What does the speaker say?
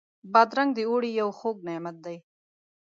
بادرنګ د اوړي یو خوږ نعمت دی.